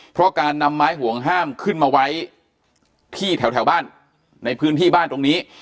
เพราะการนำไม้ห่วงห้ามขึ้นมาไว้ที่แถวบ้านในพื้นที่บ้านตรงนี้